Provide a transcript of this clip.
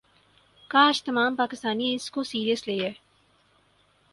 کاش تمام پاکستانی اس کو سیرس لیے